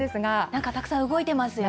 なんか、たくさん動いてますね。